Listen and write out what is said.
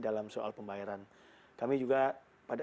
dalam soal pembayaran kami juga pada